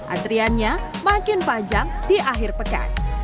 antriannya makin panjang di akhir pekan